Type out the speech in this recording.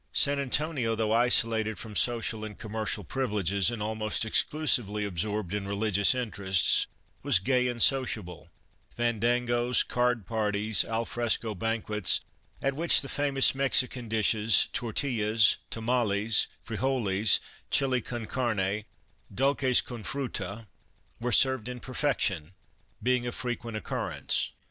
San Antonio, though isolated from social and commercial privileges and almost exclusively ab sorbed in religious interests, was gay and sociable, fandangoes, card parties, alfresco banquets, at which the famous Mexican dishes — tortillas, tomales, fri joles, chile con carne, dulces con fruta — were served in perfection, being of frequent occurrence.